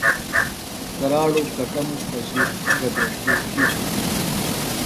کراڑوۡ کٹموش پشیۡ پُھنگہ بیݜٹیۡ اُتِھیتوۡ ہنوۡ